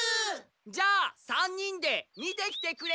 じゃあ３人で見てきてくれ！